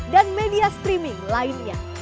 dan media streaming lainnya